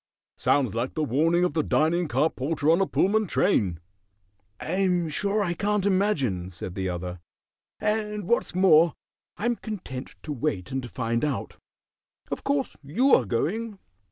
"Sounds like the warning of the dining car porter on a Pullman train." "I'm sure I can't imagine," said the other; "and what's more, I'm content to wait and find out. Of course you are going?"